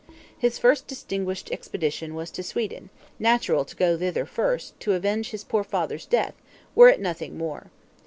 His first distinguished expedition was to Sweden: natural to go thither first, to avenge his poor father's death, were it nothing more.